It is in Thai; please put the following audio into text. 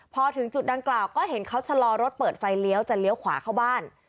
พอถึงจุดดังกล่าวก็เห็นเขาชะลอรถเปิดไฟเลี้ยวจะเลี้ยวขวาเข้าบ้าน